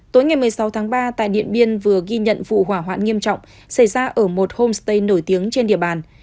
tối ngày một mươi sáu tháng ba tại điện biên vừa ghi nhận vụ hỏa hoạn nghiêm trọng xảy ra ở một homestay nổi tiếng trên địa bàn